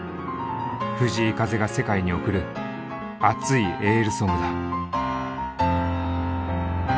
藤井風が世界に贈る熱いエールソングだ。